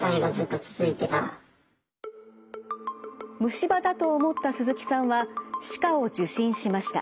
虫歯だと思った鈴木さんは歯科を受診しました。